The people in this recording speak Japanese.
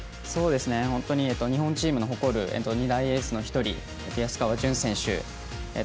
本当に、日本チームの誇り２大エースのうちの１人安川潤選手。